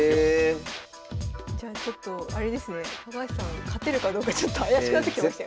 じゃあちょっとあれですね高橋さん勝てるかどうかちょっと怪しくなってきましたよ。